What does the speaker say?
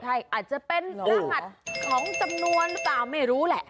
ใช่อาจจะเป็นรหัสของจำนวนต่างไม่รู้แหละ